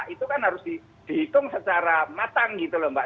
itu kan harus dihitung secara matang gitu loh mbak